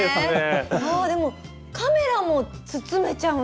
でもカメラも包めちゃうんですね。